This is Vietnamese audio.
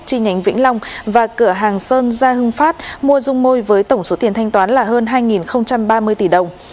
chi nhánh vĩnh long và cửa hàng sơn gia hưng phát mua dung môi với tổng số tiền thanh toán là hơn hai ba mươi tỷ đồng